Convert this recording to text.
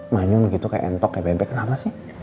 manyun gitu kayak entok kayak bebek kenapa sih